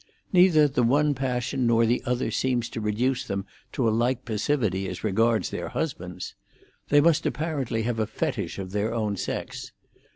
Neither the one passion nor the other seems to reduce them to a like passivity as regards their husbands. They must apparently have a fetish of their own sex.